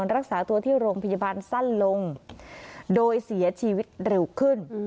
รักษาตัวที่โรงพยาบาลสั้นลงโดยเสียชีวิตเร็วขึ้น